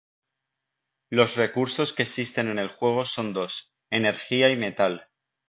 Los recursos que existen en el juego son dos: Energía y Metal.